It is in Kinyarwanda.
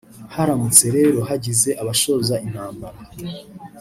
Haramutse rero hagize abashoza intambara